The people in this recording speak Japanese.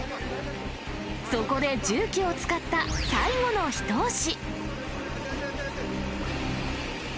そこで重機を使った最後の一押し。